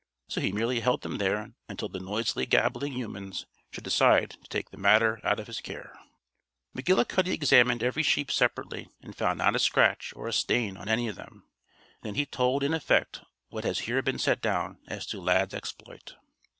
So he merely held them there until the noisily gabbling humans should decide to take the matter out of his care. McGillicuddy examined every sheep separately and found not a scratch or a stain on any of them. Then he told in effect what has here been set down as to Lad's exploit.